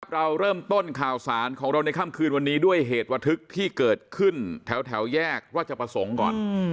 เราเริ่มต้นข่าวสารของเราในค่ำคืนวันนี้ด้วยเหตุระทึกที่เกิดขึ้นแถวแยกราชประสงค์ก่อน